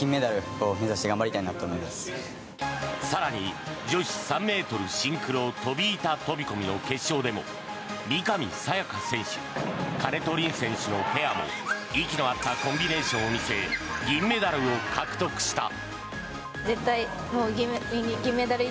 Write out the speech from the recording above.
更に、女子３ｍシンクロ飛板飛込の決勝でも三上紗也可選手、金戸凜選手のペアも息の合ったコンビネーションを見せ銀メダルを獲得した。